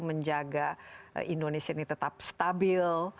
menjaga indonesia ini tetap stabil